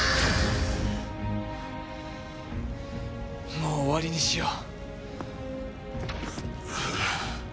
もう終わりにしよう。